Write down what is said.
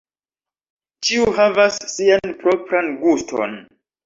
Ĉiu havas sian propran guston.